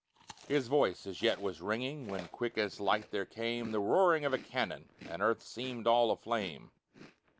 His voice as yet was ringing, When, quick as light, there came The roaring of a cannon, And earth seemed all aflame.